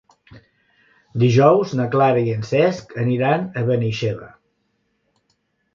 Dijous na Clara i en Cesc aniran a Benaixeve.